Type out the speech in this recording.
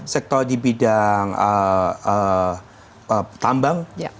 sektor di bidang tambang